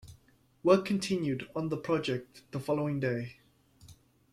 Work continued on the project the following day.